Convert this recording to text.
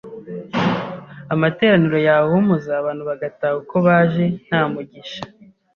amateraniro yahumuza, abantu bagataha uko baje nta Mugisha